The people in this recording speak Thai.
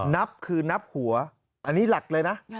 นับคือนับหัวอันนี้หลักเลยนะ